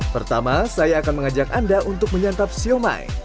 pertama saya akan mengajak anda untuk menyantap siomay